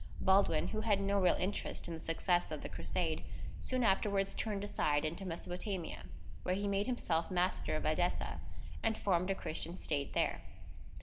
Baldwin, who had no real interest in the success of the Crusade, soon afterwards turned aside into Mesopotamia, where he made himself master of Edessa, and formed a Christian state there.